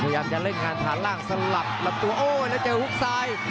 พยายามจะเล่นงานผ่านล่างสลับลำตัวโอ้แล้วเจอฮุกซ้าย